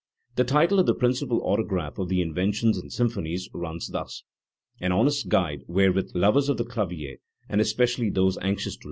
The title of the principal autograph of the Inventions and symphonies runs thus: "An honest guide, wherewith lovers of the clavier, and especially those anxious to learn, * B.